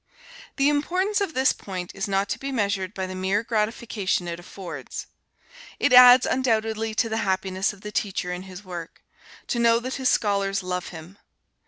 The importance of this point is not to be measured by the mere gratification it affords. It adds undoubtedly to the happiness of the teacher in his work, to know that his scholars love him.